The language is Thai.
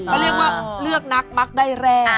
ก็เรียกว่าเลือกนักมักได้แรก